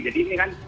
jadi ini kan